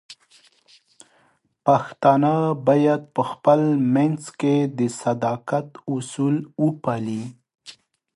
پښتانه بايد په خپل منځ کې د صداقت اصول وپالي.